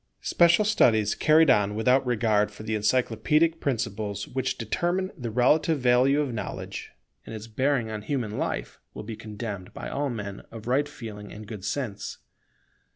Special studies carried on without regard for the encyclopædic principles which determine the relative value of knowledge, and its bearing on human life, will be condemned by all men of right feeling and good sense.